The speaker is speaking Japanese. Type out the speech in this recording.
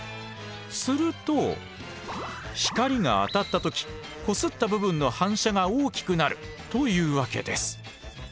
すると光が当たった時こすった部分の反射が大きくなるというわけです。